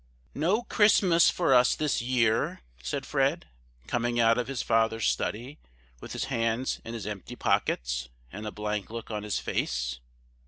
"NO CHRISTMAS for us this year!" said Fred, coming out of his father's study with his hands in his empty pockets, and a blank look on his face.